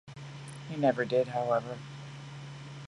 He never did, however.